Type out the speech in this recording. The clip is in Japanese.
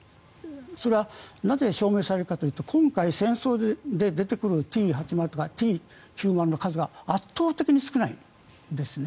それはなぜ、証明されるかというと今回、戦争で出てくるＴ８０とかＴ９０の数が圧倒的に少ないんです。